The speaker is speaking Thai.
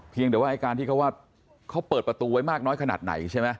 แต่ว่าไอ้การที่เขาว่าเขาเปิดประตูไว้มากน้อยขนาดไหนใช่ไหม